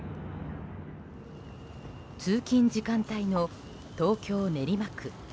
通勤時間帯の東京・練馬区。